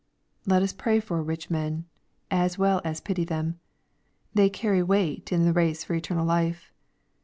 — Let us pray for rich men, as well as pity them. They carry weight in the race for eternal life.